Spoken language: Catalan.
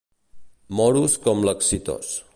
Moros com l'exitós.